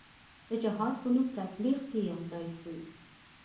د جهاد په نوم تبلیغ کې یو ځای سو.